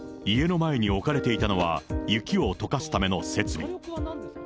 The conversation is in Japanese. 家の前に置かれていたのは、雪をとかすための設備。